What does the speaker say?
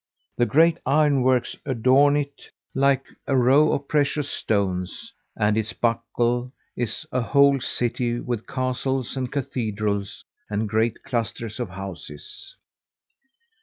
The great ironworks adorn it like a row of precious stones, and its buckle is a whole city with castles and cathedrals and great clusters of houses."